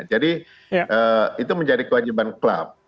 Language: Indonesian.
jadi itu menjadi kewajiban klub